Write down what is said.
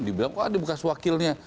dibilang kok ada bekas wakilnya